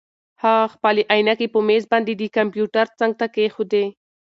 هغه خپلې عینکې په مېز باندې د کمپیوټر څنګ ته کېښودې.